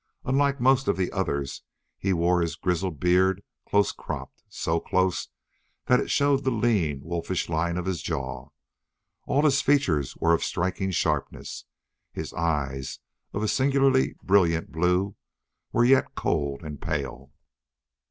Unlike most of the others, he wore his grizzled beard close cropped, so close that it showed the lean, wolfish line of his jaw. All his features were of striking sharpness. His eyes, of a singularly brilliant blue, were yet cold and pale.